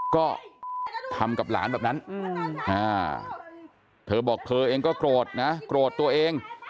ก็ทำกับหลานแบบนั้นเธอบอกเธอเองก็โกรธนะโกรธตัวเอง